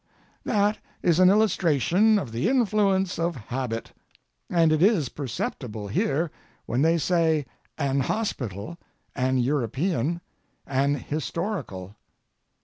That is an illustration of the influence of habit, and it is perceptible here when they say "an" hospital, "an" European, "an" historical.